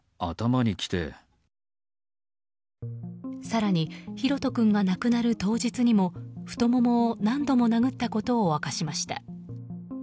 更に大翔君が亡くなる当日にも太ももを何度も殴ったことを明かしました。